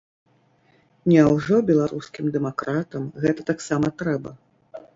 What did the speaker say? Няўжо беларускім дэмакратам гэта таксама трэба?